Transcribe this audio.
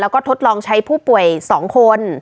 แล้วก็ทดลองใช้ผู้ป่วย๒คน